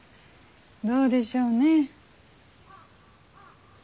どうでしょうねぇ。